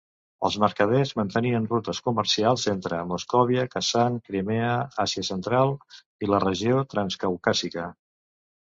Els mercaders mantenien rutes comercials entre Moscòvia, Kazan, Crimea, l'Àsia Central i la regió transcaucàsica.